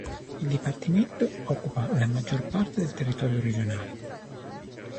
Il dipartimento occupa la maggior parte del territorio regionale.